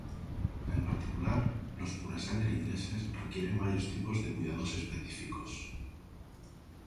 En particular, los Purasangre ingleses requieren varios tipos de cuidados específicos.